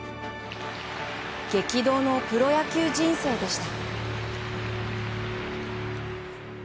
激動のプロ野球人生でした。